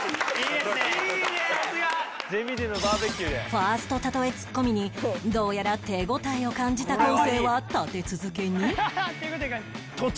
ファースト例えツッコミにどうやら手応えを感じた昴生は立て続けに